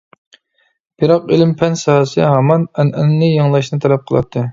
بىراق ئىلىم-پەن ساھەسى ھامان ئەنئەنىنى يېڭىلاشنى تەلەپ قىلاتتى.